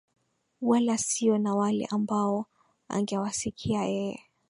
wala sio na wale ambao angewasikia yeye